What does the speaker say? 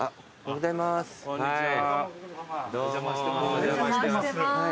お邪魔してます。